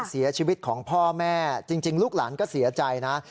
เสียชีวิตของพ่อแม่จริงลูกหลานก็เสียใจนะ